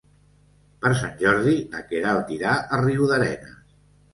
Per Sant Jordi na Queralt irà a Riudarenes.